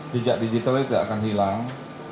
pijak digital itu tidak akan hilang